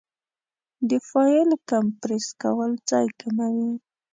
د فایل کمپریس کول ځای کموي.